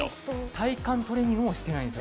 体幹トレーニングもしてないです。